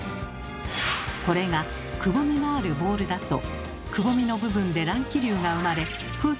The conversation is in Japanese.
これがくぼみがあるボールだとくぼみの部分で乱気流が生まれ空気の流れが乱れます。